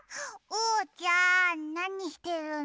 おうちゃんなにしてるの？